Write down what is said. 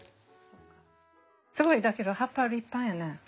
すごいだけど葉っぱ立派やね。